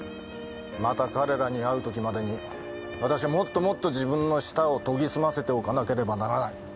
また彼らに会う時までに私はもっともっと自分の舌を研ぎ澄ませておかなければならない。